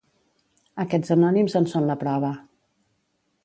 Aquests anònims en són la prova.